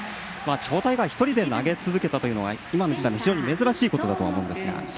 地方大会、１人で投げ続けたというのは、今の時代珍しいことだと思うんですが。